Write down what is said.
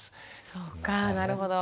そっかなるほど。